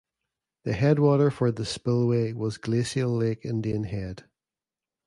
The headwater for the spillway was glacial Lake Indian Head.